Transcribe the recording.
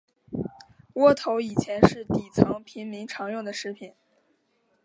窝头以前是底层平民常用的食品。